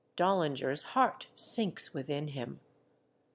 Dollinger's heart sinks within him.